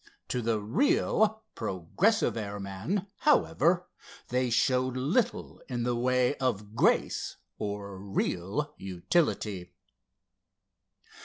To the real, progressive airman, however, they showed little in the way of grace or real utility.